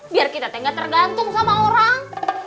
biar kita teh nggak tergantung sama orang